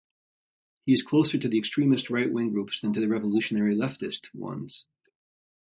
He is closer to the extremist right-wing groups than to revolutionary leftist ones.